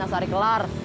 yang sehari kelar